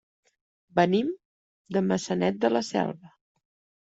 Venim de Maçanet de la Selva.